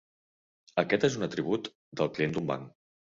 Aquest és un atribut del client d'un banc.